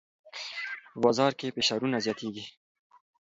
په بازار کې فشارونه زیاتېږي.